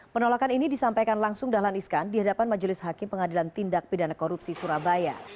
penolakan ini disampaikan langsung dahlan iskan di hadapan majelis hakim pengadilan tindak pidana korupsi surabaya